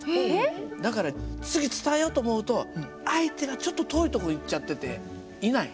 だから次伝えようと思うと相手がちょっと遠いとこ行っちゃってていない。